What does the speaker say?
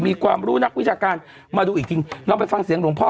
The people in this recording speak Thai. มีความรู้นักวิชาการมาดูอีกทีลองไปฟังเสียงหลวงพ่อ